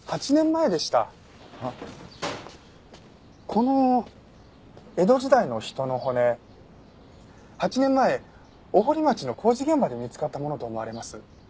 この江戸時代の人の骨８年前尾堀町の工事現場で見つかったものと思われます。